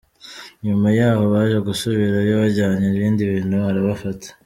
Nyuma yaho baje gusubirayo bajyanye ibindi bintu arabafata.